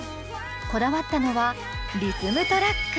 こだわったのはリズムトラック。